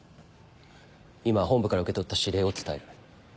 今本部から受け取った指令を伝える。